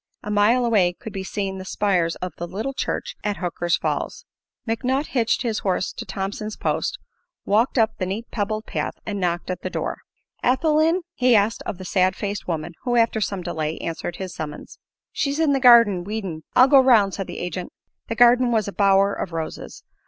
A mile away could be seen the spires of the little church at Hooker's Falls. McNutt hitched his horse to Thompson's post, walked up the neat pebbled path and knocked at the door. "Ethel in?" he asked of the sad faced woman who, after some delay, answered his summons. "She's in the garden, weedin'." "I'll go 'round," said the agent. The garden was a bower of roses.